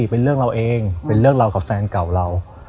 เป็นเรื่องเราเองเป็นเรื่องเรากับแฟนเก่าเรา